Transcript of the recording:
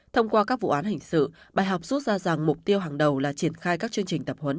thông qua các vụ án hình sự bài học rút ra rằng mục tiêu hàng đầu là triển khai các chương trình tập huấn